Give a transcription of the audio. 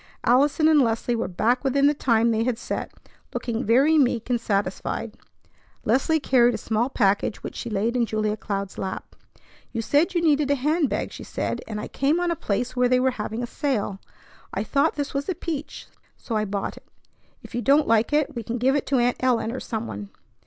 Allison and Leslie were back within the time they had set, looking very meek and satisfied. Leslie carried a small package, which she laid in Julia Cloud's lap. "You said you needed a hand bag," she said; "and I came on a place where they were having a sale. I thought this was a peach; so I bought it. If you don't like it, we can give it to Aunt Ellen or some one."